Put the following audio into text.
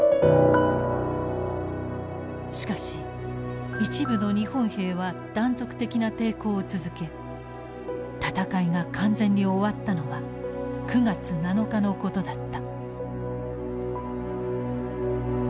しかし一部の日本兵は断続的な抵抗を続け戦いが完全に終わったのは９月７日のことだった。